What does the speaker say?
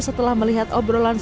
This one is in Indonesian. setelah melihat obrolan suaminya